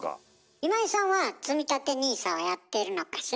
今井さんはつみたてＮＩＳＡはやってるのかしら？